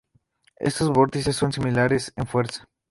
Esos vórtices son similares en fuerza.